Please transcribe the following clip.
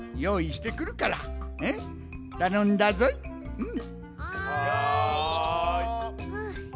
うん。